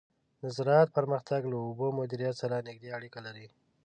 د زراعت پرمختګ له اوبو مدیریت سره نږدې اړیکه لري.